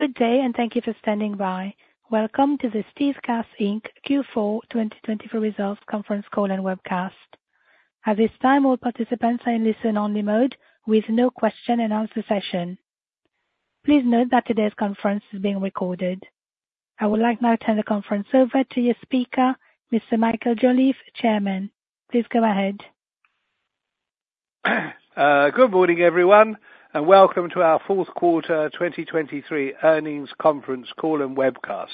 Good day, and thank you for standing by. Welcome to the StealthGas Inc. Q4 2023 Results conference call and webcast. At this time, all participants are in listen-only mode with no question-and-answer session. Please note that today's conference is being recorded. I would like now to turn the conference over to your speaker, Mr. Michael G. Jolliffe, Chairman. Please go ahead. Good morning, everyone, and welcome to our Q4 2023 Earnings conference call and webcast.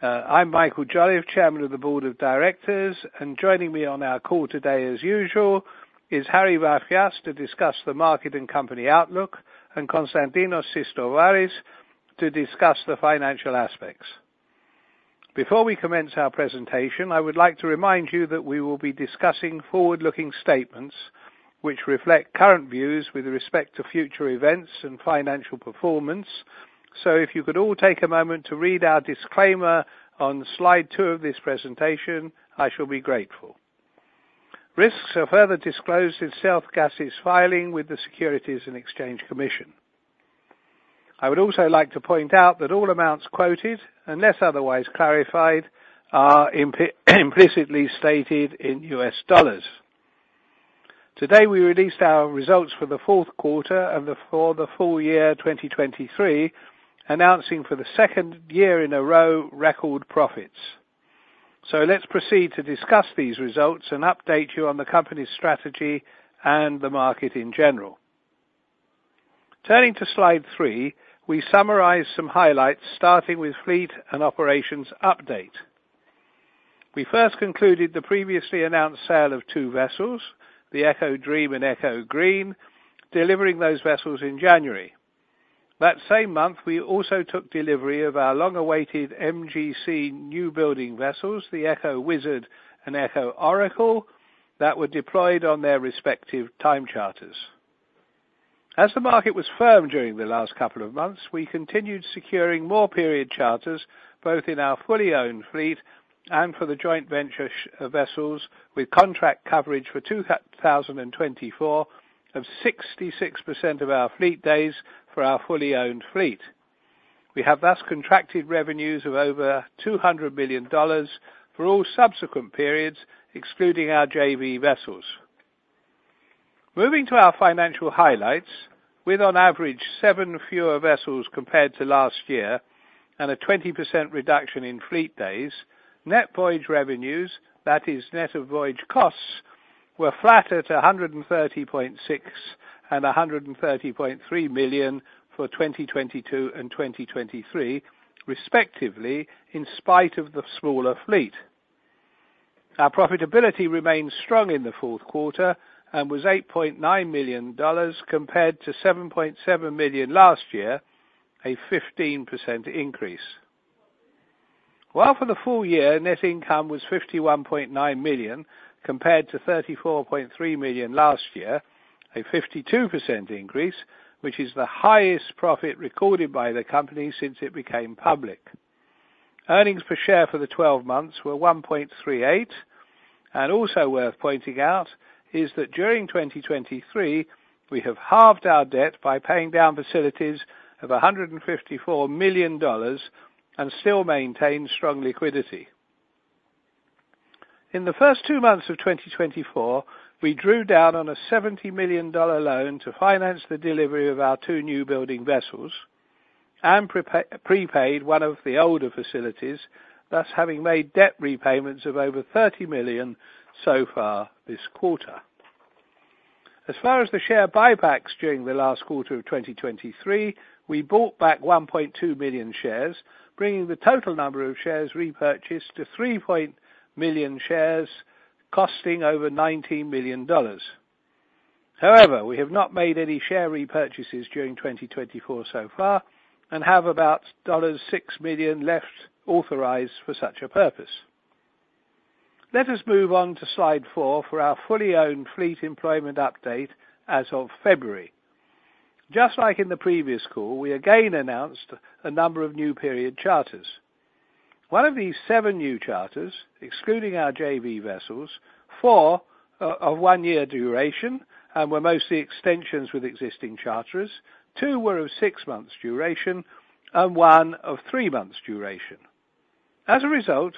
I'm Michael Jolliffe, chairman of the board of directors, and joining me on our call today, as usual, is Harry Vafias, to discuss the market and company outlook, and Konstantinos Sistovaris to discuss the financial aspects. Before we commence our presentation, I would like to remind you that we will be discussing forward-looking statements, which reflect current views with respect to future events and financial performance. If you could all take a moment to read our disclaimer on slide two of this presentation, I shall be grateful. Risks are further disclosed in StealthGas's filing with the Securities and Exchange Commission. I would also like to point out that all amounts quoted, unless otherwise clarified, are implicitly stated in U.S. dollars. Today, we released our results for the Q4 and for the full year 2023, announcing, for the second year in a row, record profits. So let's proceed to discuss these results and update you on the company's strategy and the market in general. Turning to slide three, we summarize some highlights, starting with fleet and operations update. We first concluded the previously announced sale of two vessels, the Eco Dream and Eco Green, delivering those vessels in January. That same month, we also took delivery of our long-awaited MGC newbuilding vessels, the Eco Wizard and Eco Oracle, that were deployed on their respective time charters. As the market was firm during the last couple of months, we continued securing more period charters, both in our fully owned fleet and for the joint venture vessels, with contract coverage for 2024 of 66% of our fleet days for our fully owned fleet. We have thus contracted revenues of over $200 million for all subsequent periods, excluding our JV vessels. Moving to our financial highlights, with on average seven fewer vessels compared to last year and a 20% reduction in fleet days, net voyage revenues, that is net of voyage costs, were flat at $130.6 million and $130.3 million for 2022 and 2023, respectively, in spite of the smaller fleet. Our profitability remains strong in the Q4 and was $8.9 million, compared to $7.7 million last year, a 15% increase. While for the full year, net income was $51.9 million, compared to $34.3 million last year, a 52% increase, which is the highest profit recorded by the company since it became public. Earnings per share for the 12 months were 1.38, and also worth pointing out is that during 2023, we have halved our debt by paying down facilities of $154 million and still maintain strong liquidity. In the first two months of 2024, we drew down on a $70 million loan to finance the delivery of our two newbuilding vessels and prepaid one of the older facilities, thus having made debt repayments of over $30 million so far this quarter. As far as the share buybacks during the last quarter of 2023, we bought back 1.2 million shares, bringing the total number of shares repurchased to 3 million shares, costing over $19 million. However, we have not made any share repurchases during 2024 so far and have about $6 million left authorized for such a purpose. Let us move on to slide four for our fully owned fleet employment update as of February. Just like in the previous call, we again announced a number of new period charters. One of these seven new charters, excluding our JV vessels, four are of one-year duration and were mostly extensions with existing charterers. two were of six months duration and one of three months duration. As a result,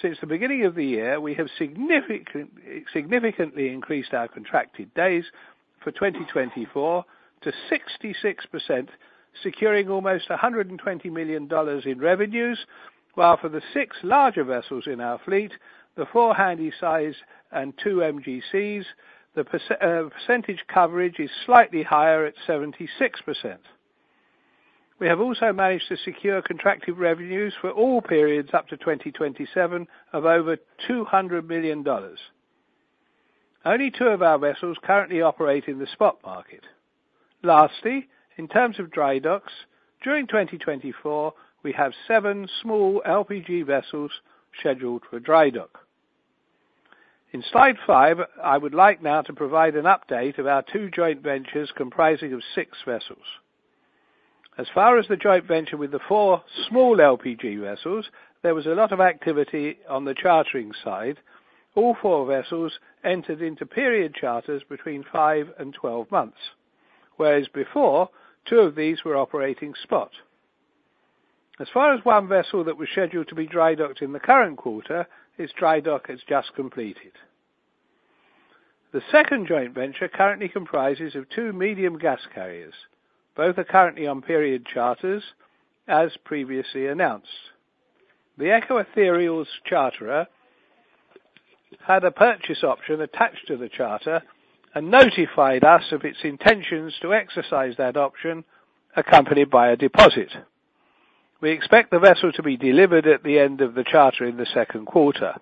since the beginning of the year, we have significantly, significantly increased our contracted days for 2024 to 66%, securing almost $120 million in revenues, while for the six larger vessels in our fleet, the four Handysize and two MGCs, the percentage coverage is slightly higher at 76%. We have also managed to secure contracted revenues for all periods up to 2027 of over $200 million. Only two of our vessels currently operate in the spot market. Lastly, in terms of dry docks, during 2024, we have seven small LPG vessels scheduled for dry dock. In slide five, I would like now to provide an update of our two joint ventures comprising of six vessels. As far as the joint venture with the four small LPG vessels, there was a lot of activity on the chartering side. All four vessels entered into period charters between five and 12 months, whereas before, two of these were operating spot. As far as one vessel that was scheduled to be dry docked in the current quarter, its dry dock is just completed. The second joint venture currently comprises of two medium gas carriers. Both are currently on period charters, as previously announced. The Eco Ethereal's charterer had a purchase option attached to the charter and notified us of its intentions to exercise that option, accompanied by a deposit. We expect the vessel to be delivered at the end of the charter in the Q2.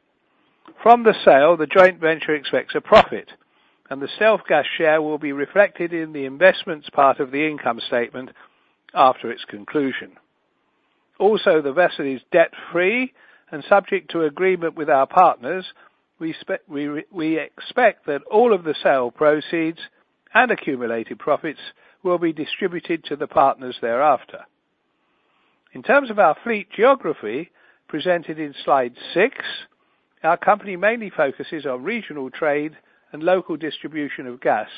From the sale, the joint venture expects a profit, and the StealthGas share will be reflected in the investments part of the income statement after its conclusion. Also, the vessel is debt-free and subject to agreement with our partners, we expect that all of the sale proceeds and accumulated profits will be distributed to the partners thereafter. In terms of our fleet geography, presented in slide six, our company mainly focuses on regional trade and local distribution of gas,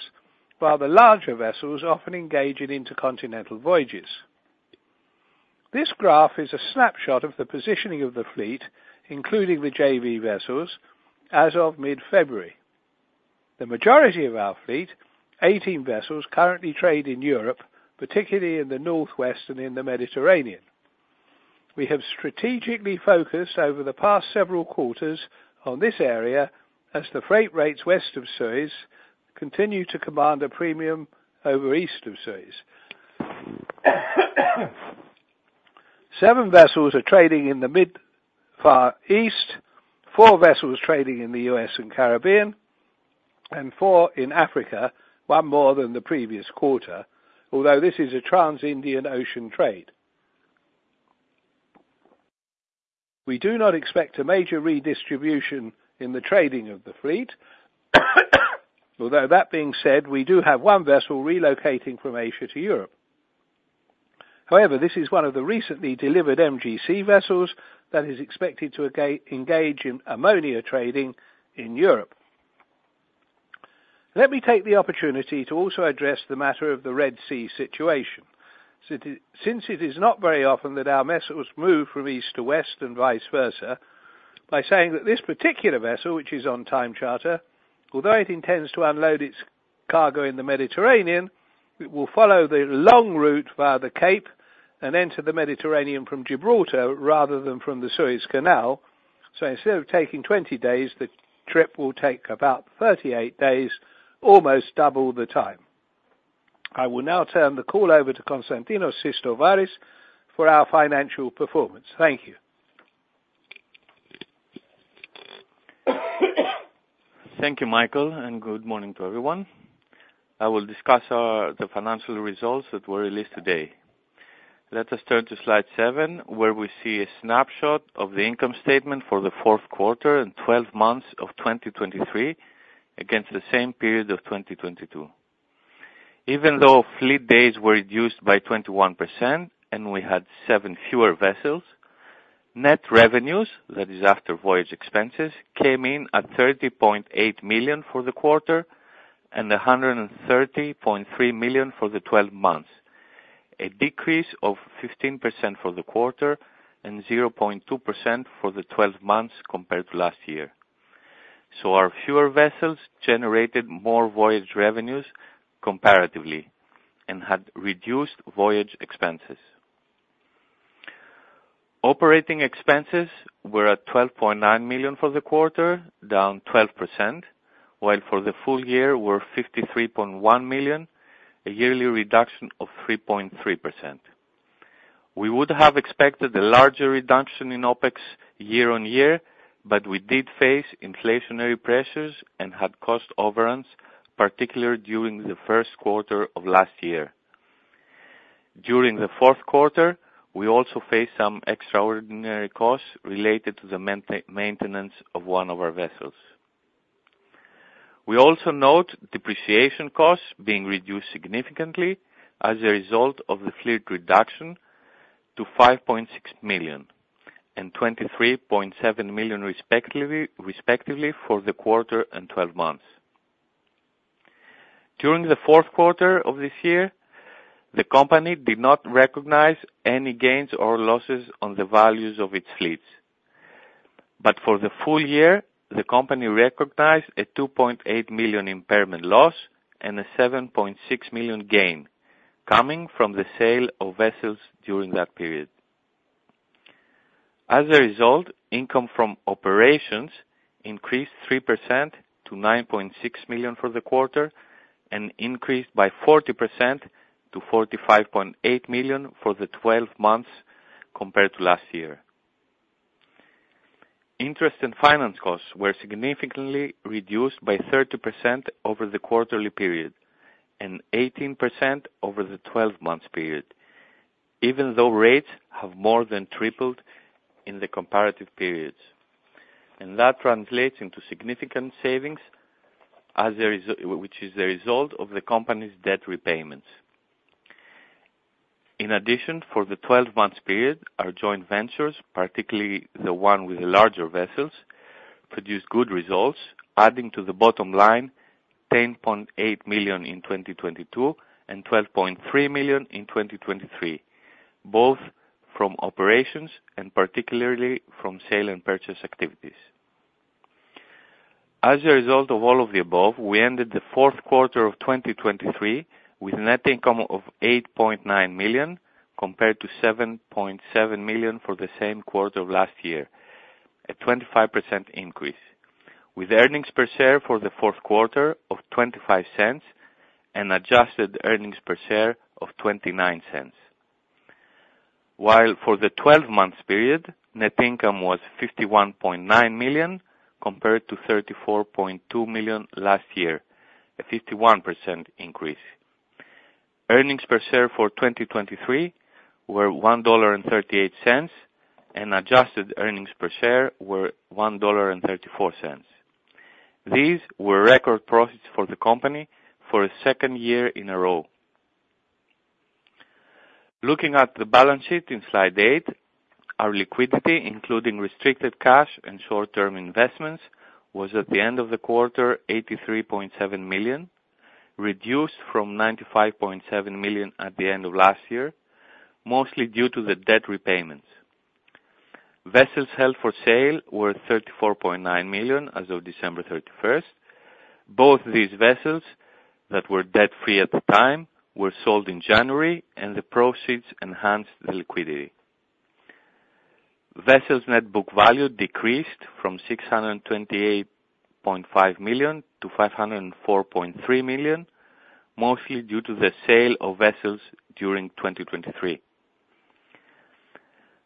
while the larger vessels often engage in intercontinental voyages. This graph is a snapshot of the positioning of the fleet, including the JV vessels, as of mid-February. The majority of our fleet, 18 vessels, currently trade in Europe, particularly in the Northwest and in the Mediterranean. We have strategically focused over the past several quarters on this area, as the freight rates west of Suez continue to command a premium over East of Suez. seven vessels are trading in the Mid-Far East, four vessels trading in the U.S. and Caribbean, and four in Africa, one more than the previous quarter, although this is a trans-Indian Ocean trade. We do not expect a major redistribution in the trading of the fleet. Although that being said, we do have one vessel relocating from Asia to Europe. However, this is one of the recently delivered MGC vessels that is expected to engage in ammonia trading in Europe. Let me take the opportunity to also address the matter of the Red Sea situation. Since it is not very often that our vessels move from east to west and vice versa, by saying that this particular vessel, which is on time charter, although it intends to unload its cargo in the Mediterranean, it will follow the long route via the Cape and enter the Mediterranean from Gibraltar rather than from the Suez Canal. So instead of taking 20 days, the trip will take about 38 days, almost double the time. I will now turn the call over to Konstantinos Sistovaris for our financial performance. Thank you. Thank you, Michael, and good morning to everyone. I will discuss our, the financial results that were released today. Let us turn to slide seven, where we see a snapshot of the income statement for the Q4 and 12 months of 2023, against the same period of 2022. Even though fleet days were reduced by 21% and we had seven fewer vessels, net revenues, that is after voyage expenses, came in at $30.8 million for the quarter and $130.3 million for the 12 months, a decrease of 15% for the quarter and 0.2% for the 12 months compared to last year. So our fewer vessels generated more voyage revenues comparatively and had reduced voyage expenses. Operating expenses were at $12.9 million for the quarter, down 12%, while for the full year were $53.1 million, a yearly reduction of 3.3%. We would have expected a larger reduction in OpEx year-on-year, but we did face inflationary pressures and had cost overruns, particularly during the Q1 of last year. During the Q4, we also faced some extraordinary costs related to the maintenance of one of our vessels. We also note depreciation costs being reduced significantly as a result of the fleet reduction to $5.6 million and $23.7 million, respectively for the quarter and twelve months. During the Q4 of this year, the company did not recognize any gains or losses on the values of its fleets. For the full year, the company recognized a $2.8 million impairment loss and a $7.6 million gain coming from the sale of vessels during that period. As a result, income from operations increased 3% to $9.6 million for the quarter and increased by 40%- $45.8 million for the 12 months compared to last year. Interest and finance costs were significantly reduced by 30% over the quarterly period and 18% over the 12-month period, even though rates have more than tripled in the comparative periods. That translates into significant savings as a result, which is the result of the company's debt repayments. In addition, for the 12-month period, our joint ventures, particularly the one with the larger vessels, produced good results, adding to the bottom line $10.8 million in 2022 and $12.3 million in 2023, both from operations and particularly from sale and purchase activities. As a result of all of the above, we ended the Q4 of 2023 with net income of $8.9 million, compared to $7.7 million for the same quarter of last year, a 25% increase, with earnings per share for the Q4 of $0.25 and adjusted earnings per share of $0.29. While for the twelve-month period, net income was $51.9 million compared to $34.2 million last year, a 51% increase. Earnings per share for 2023 were $1.38, and adjusted earnings per share were $1.34. These were record profits for the company for a second year in a row. Looking at the balance sheet in slide eight, our liquidity, including restricted cash and short-term investments, was at the end of the quarter, $83.7 million, reduced from $95.7 million at the end of last year, mostly due to the debt repayments. Vessels held for sale were $34.9 million as of December 31st. Both these vessels that were debt-free at the time were sold in January, and the proceeds enhanced the liquidity. Vessels net book value decreased from $628.5 million to $504.3 million, mostly due to the sale of vessels during 2023.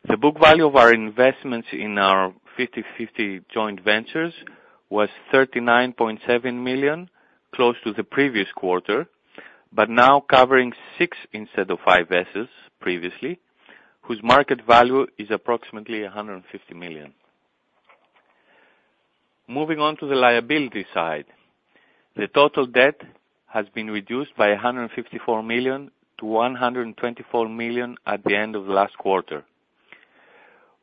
The book value of our investments in our 50/50 joint ventures was $39.7 million, close to the previous quarter, but now covering six instead of five vessels previously, whose market value is approximately $150 million. Moving on to the liability side, the total debt has been reduced by $154 million to $124 million at the end of last quarter.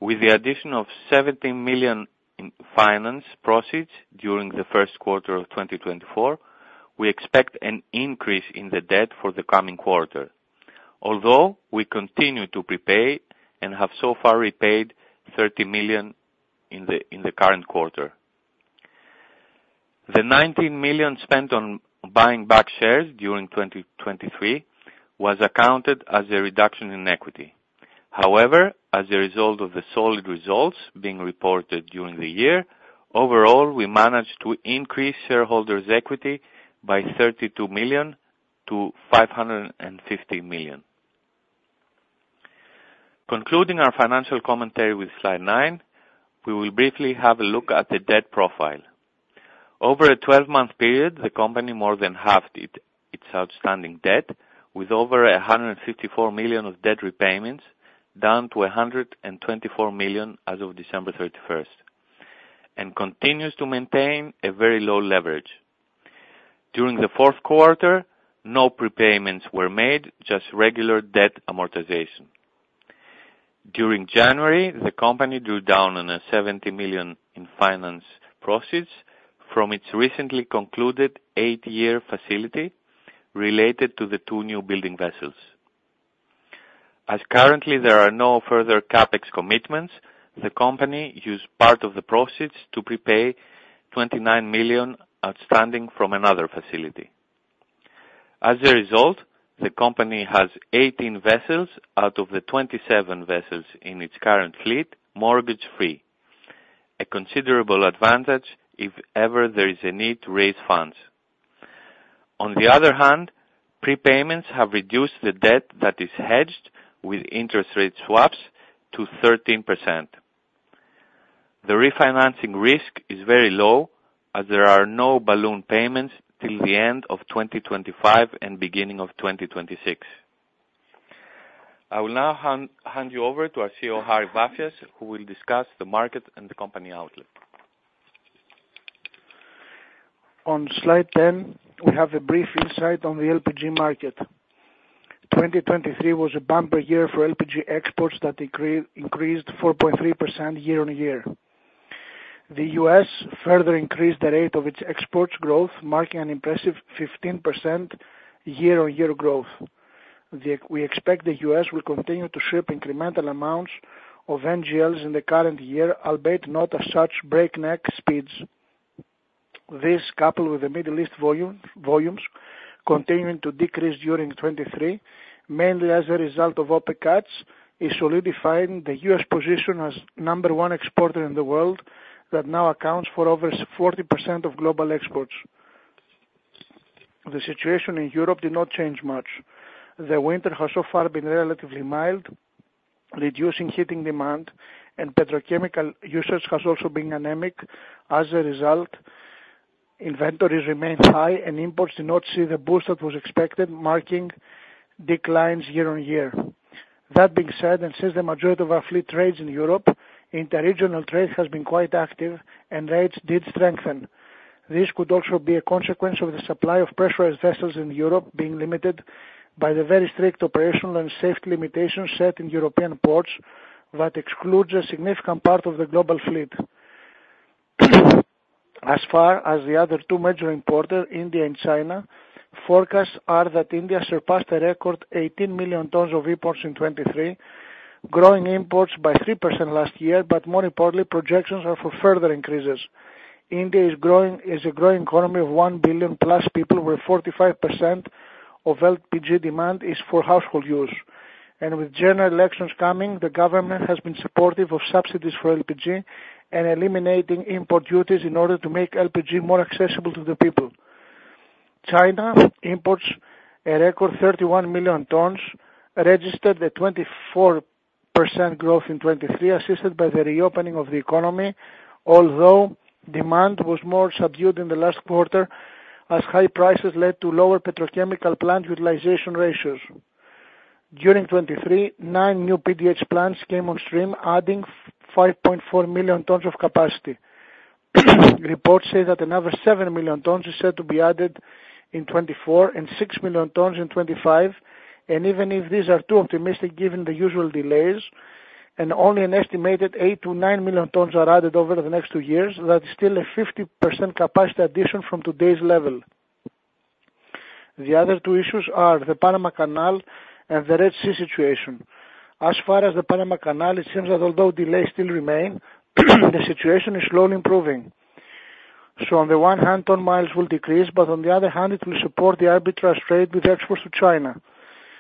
With the addition of $17 million in finance proceeds during the Q1 of 2024, we expect an increase in the debt for the coming quarter. Although we continue to prepay and have so far repaid $30 million in the current quarter. The $19 million spent on buying back shares during 2023 was accounted as a reduction in equity. However, as a result of the solid results being reported during the year, overall, we managed to increase shareholders' equity by $32 million to $550 million. Concluding our financial commentary with slide nine, we will briefly have a look at the debt profile. Over a 12-month period, the company more than halved its outstanding debt with over $154 million of debt repayments, down to $124 million as of December 31st, and continues to maintain a very low leverage. During the Q4, no prepayments were made, just regular debt amortization. During January, the company drew down on a $70 million in finance proceeds from its recently concluded 8-year facility related to the two newbuilding vessels. As currently, there are no further CapEx commitments. The company used part of the proceeds to prepay $29 million outstanding from another facility. As a result, the company has 18 vessels out of the 27 vessels in its current fleet, mortgage-free, a considerable advantage if ever there is a need to raise funds. On the other hand, prepayments have reduced the debt that is hedged with interest rate swaps to 13%. The refinancing risk is very low, as there are no balloon payments till the end of 2025 and beginning of 2026. I will now hand you over to our CEO, Harry Vafias, who will discuss the market and the company outlook. On slide 10, we have a brief insight on the LPG market. 2023 was a bumper year for LPG exports that increased 4.3% year-on-year. The U.S. further increased the rate of its exports growth, marking an impressive 15% year-on-year growth. We expect the U.S. will continue to ship incremental amounts of NGLs in the current year, albeit not at such breakneck speeds. This, coupled with the Middle East volume, volumes continuing to decrease during 2023, mainly as a result of OPEC cuts, is solidifying the U.S. position as number one exporter in the world, that now accounts for over 40% of global exports. The situation in Europe did not change much. The winter has so far been relatively mild, reducing heating demand, and petrochemical usage has also been anemic. As a result, inventories remain high, and imports do not see the boost that was expected, marking declines year-over-year. That being said, and since the majority of our fleet trades in Europe, interregional trade has been quite active and rates did strengthen. This could also be a consequence of the supply of pressurized vessels in Europe being limited by the very strict operational and safety limitations set in European ports that excludes a significant part of the global fleet. As far as the other two major importer, India and China, forecasts are that India surpassed a record 18 million tons of imports in 2023, growing imports by 3% last year, but more importantly, projections are for further increases. India is growing, is a growing economy of 1 billion+ people, where 45% of LPG demand is for household use. With general elections coming, the government has been supportive of subsidies for LPG and eliminating import duties in order to make LPG more accessible to the people. China imports a record 31 million tons, registered a 24% growth in 2023, assisted by the reopening of the economy, although demand was more subdued in the last quarter as high prices led to lower petrochemical plant utilization ratios. During 2023, nine new PDH plants came on stream, adding 5.4 million tons of capacity. Reports say that another 7 million tons is set to be added in 2024 and 6 million tons in 2025, and even if these are too optimistic, given the usual delays, and only an estimated 8million-9 million tons are added over the next two years, that is still a 50% capacity addition from today's level. The other two issues are the Panama Canal and the Red Sea situation. As far as the Panama Canal, it seems that although delays still remain, the situation is slowly improving. So on the one hand, ton miles will decrease, but on the other hand, it will support the arbitrage trade with exports to China.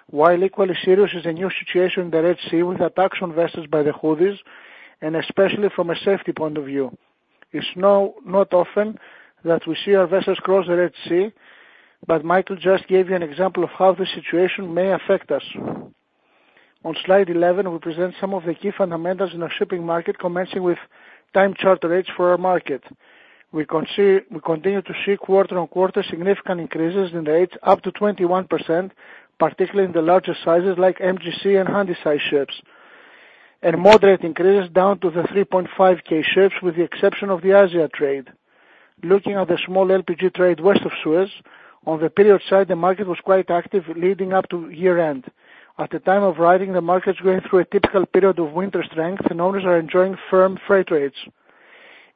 While equally serious is a new situation in the Red Sea, with attacks on vessels by the Houthis, and especially from a safety point of view. It's now not often that we see our vessels cross the Red Sea, but Michael just gave you an example of how the situation may affect us. On slide 11, we present some of the key fundamentals in our shipping market, commencing with time charter rates for our market. We continue to see quarter-on-quarter significant increases in rates up to 21%, particularly in the larger sizes like MGC and Handysize ships, and moderate increases down to the 3.5K ships, with the exception of the Asia trade. Looking at the small LPG trade west of Suez, on the period side, the market was quite active leading up to year-end. At the time of writing, the market is going through a typical period of winter strength and owners are enjoying firm freight rates.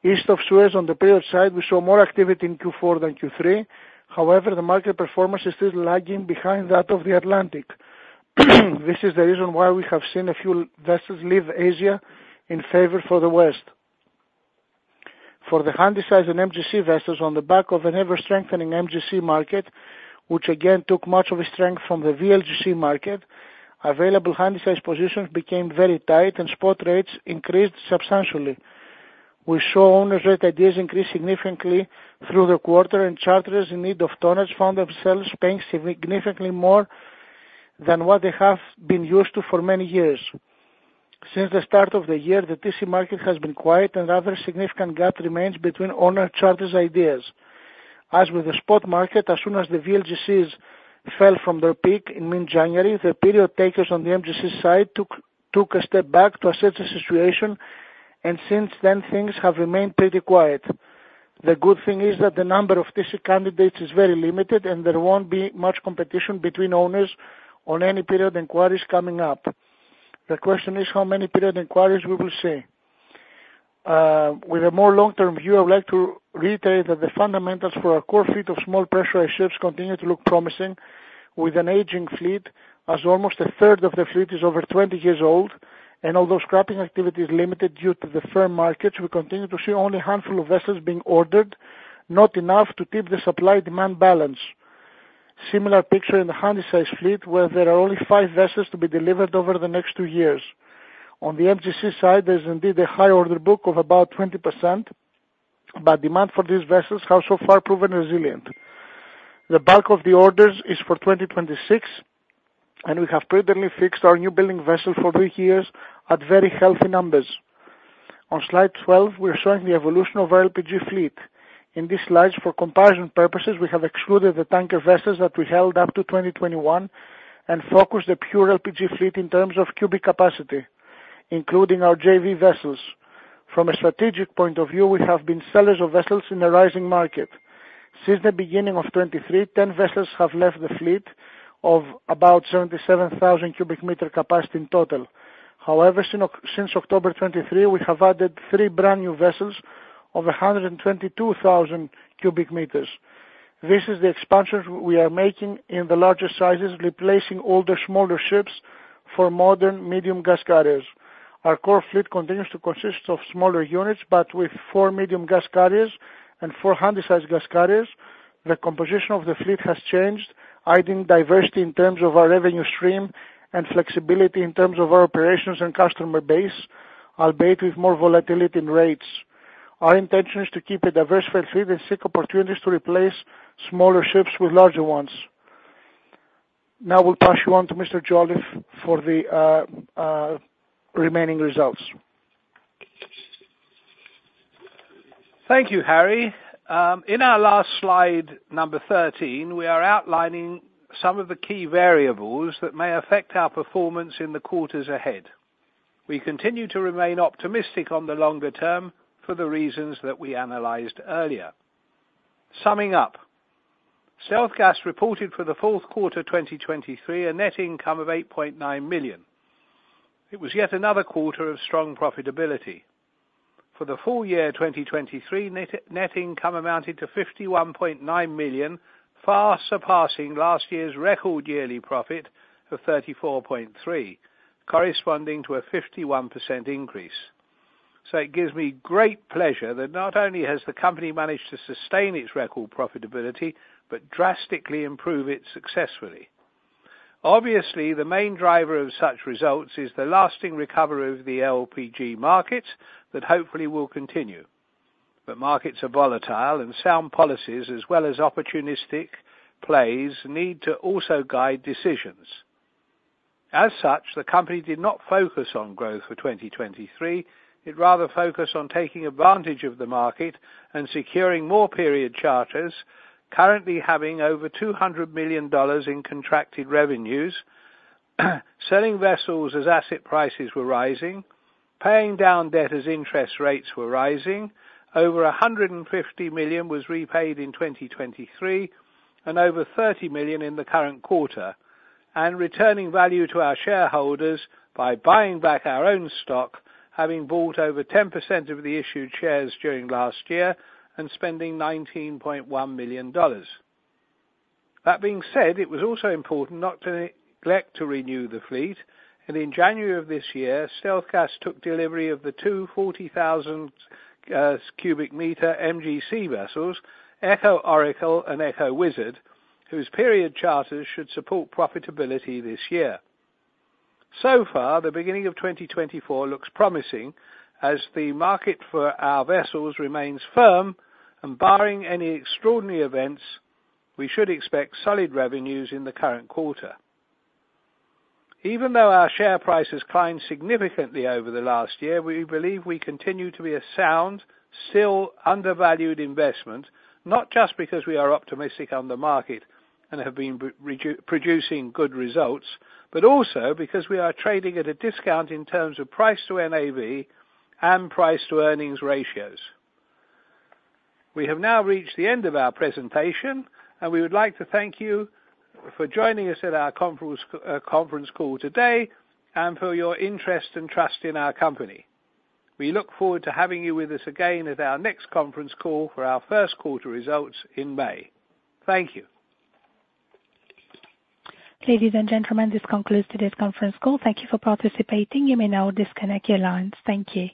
East of Suez, on the period side, we saw more activity in Q4 than Q3. However, the market performance is still lagging behind that of the Atlantic. This is the reason why we have seen a few vessels leave Asia in favor for the West. For the Handysize and MGC vessels on the back of an ever-strengthening MGC market, which again took much of its strength from the VLGC market, available Handysize positions became very tight and spot rates increased substantially. We saw owners' rate ideas increase significantly through the quarter, and charterers in need of tonnage found themselves paying significantly more than what they have been used to for many years. Since the start of the year, the TC market has been quiet and a rather significant gap remains between owners' charter ideas. As with the spot market, as soon as the VLGCs fell from their peak in mid-January, the period takers on the MGC side took a step back to assess the situation, and since then things have remained pretty quiet. The good thing is that the number of TC candidates is very limited and there won't be much competition between owners on any period inquiries coming up. The question is how many period inquiries we will see? With a more long-term view, I would like to reiterate that the fundamentals for our core fleet of small pressurized ships continue to look promising, with an aging fleet as almost a third of the fleet is over 20 years old. Although scrapping activity is limited due to the firm markets, we continue to see only a handful of vessels being ordered, not enough to tip the supply-demand balance. Similar picture in the Handysize fleet, where there are only five vessels to be delivered over the next two years. On the MGC side, there is indeed a high order book of about 20%, but demand for these vessels have so far proven resilient. The bulk of the orders is for 2026, and we have prudently fixed our newbuilding vessels for three years at very healthy numbers. On slide 12, we are showing the evolution of our LPG fleet. In these slides, for comparison purposes, we have excluded the tanker vessels that we held up to 2021 and focused the pure LPG fleet in terms of cubic capacity, including our JV vessels. From a strategic point of view, we have been sellers of vessels in a rising market. Since the beginning of 2023, 10 vessels have left the fleet of about 77,000 cubic meter capacity in total. However, since October 2023, we have added three brand new vessels of 122,000 cubic meters. This is the expansion we are making in the larger sizes, replacing older, smaller ships for modern medium gas carriers. Our core fleet continues to consist of smaller units, but with four medium gas carriers and four Handysize gas carriers, the composition of the fleet has changed, adding diversity in terms of our revenue stream and flexibility in terms of our operations and customer base, albeit with more volatility in rates. Our intention is to keep a diversified fleet and seek opportunities to replace smaller ships with larger ones. Now we'll pass you on to Mr. Jolliffe for the remaining results. Thank you, Harry. In our last slide, number 13, we are outlining some of the key variables that may affect our performance in the quarters ahead. We continue to remain optimistic on the longer term for the reasons that we analyzed earlier. Summing up, StealthGas reported for the Q4, 2023, a net income of $8.9 million. It was yet another quarter of strong profitability. For the full year, 2023, net income amounted to $51.9 million, far surpassing last year's record yearly profit of $34.3 million, corresponding to a 51% increase. So it gives me great pleasure that not only has the company managed to sustain its record profitability, but drastically improve it successfully. Obviously, the main driver of such results is the lasting recovery of the LPG market that hopefully will continue. But markets are volatile, and sound policies, as well as opportunistic plays, need to also guide decisions. As such, the company did not focus on growth for 2023. It rather focused on taking advantage of the market and securing more period charters, currently having over $200 million in contracted revenues, selling vessels as asset prices were rising, paying down debt as interest rates were rising. Over $150 million was repaid in 2023 and over $30 million in the current quarter, and returning value to our shareholders by buying back our own stock, having bought over 10% of the issued shares during last year and spending $19.1 million. That being said, it was also important not to neglect to renew the fleet, and in January of this year, StealthGas took delivery of the two 40,000 cubic meter MGC vessels, Eco Oracle and Eco Wizard, whose period charters should support profitability this year. So far, the beginning of 2024 looks promising as the market for our vessels remains firm, and barring any extraordinary events, we should expect solid revenues in the current quarter. Even though our share price has climbed significantly over the last year, we believe we continue to be a sound, still undervalued investment, not just because we are optimistic on the market and have been reproducing good results, but also because we are trading at a discount in terms of price to NAV and price to earnings ratios. We have now reached the end of our presentation, and we would like to thank you for joining us at our conference call today and for your interest and trust in our company. We look forward to having you with us again at our next conference call for our Q1 results in May. Thank you. Ladies and gentlemen, this concludes today's conference call. Thank you for participating. You may now disconnect your lines. Thank you.